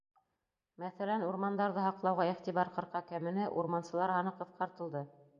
Мәҫәлән, урмандарҙы һаҡлауға иғтибар ҡырҡа кәмене, урмансылар һаны ҡыҫҡартылды.